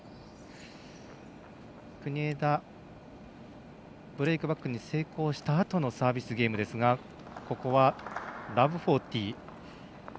国枝、ブレークバックに成功したあとのサービスゲームですがここは、０−４０。